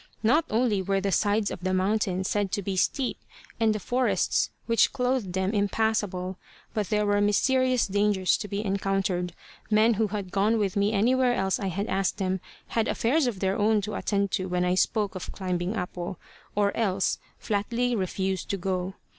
Not only were the sides of the mountain said to be steep, and the forests which clothed them impassable, but there were mysterious dangers to be encountered. Men who had gone with me anywhere else I had asked them, had affairs of their own to attend to when I spoke of climbing Apo, or else flatly refused to go.